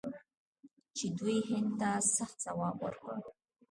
چې دوی هند ته سخت ځواب ورکړ.